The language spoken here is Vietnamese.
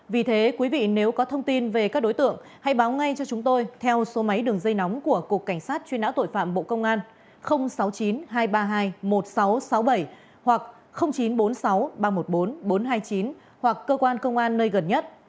vì thế quý vị nếu có thông tin về các đối tượng hãy báo ngay cho chúng tôi theo số máy đường dây nóng của cục cảnh sát truy nã tội phạm bộ công an sáu mươi chín hai trăm ba mươi hai một nghìn sáu trăm sáu mươi bảy hoặc chín trăm bốn mươi sáu ba trăm một mươi bốn bốn trăm hai mươi chín hoặc cơ quan công an nơi gần nhất